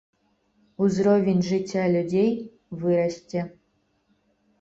Узровень жыцця людзей вырасце.